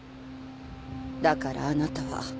だからあなたは。